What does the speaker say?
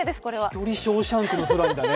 一人「ショーシャンクの空」みたい。